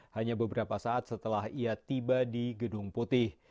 hanya beberapa saat setelah ia tiba di gedung putih